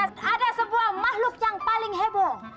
ada sebuah makhluk yang paling heboh